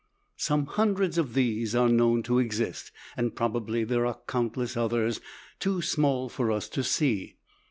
Some hundreds of these are known to exist, and probably there are countless others too small for us to see.